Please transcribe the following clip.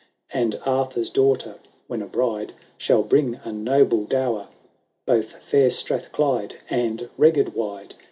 And Aithu'^ daughter, when a bride» Shall bring a noble dower ; Both fair Strath Clyde and Beged wide.